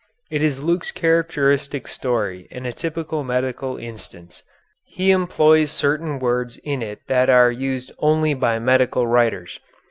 It is Luke's characteristic story and a typical medical instance. He employs certain words in it that are used only by medical writers.